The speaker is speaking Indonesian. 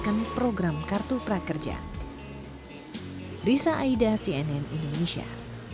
mengembangkan program kartu prakerja